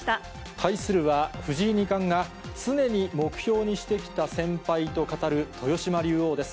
対するは、藤井二冠が常に目標にしてきた先輩と語る豊島竜王です。